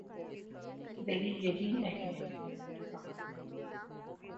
تری یہی اہمیت ہے میری کہانیوں میں